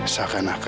sakan akan aku bisa